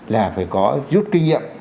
là phải có rút kinh nghiệm